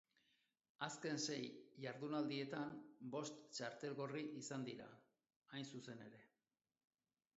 Azken sei jardunaldietan bost txartel gorri izan dira, hain zuzen ere.